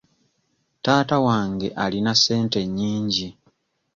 Taata wange alina ssente nnyingi.